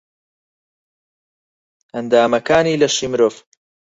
ئەندامەکانی لەشی مرۆڤ